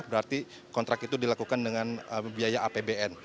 berarti kontrak itu dilakukan dengan biaya apbn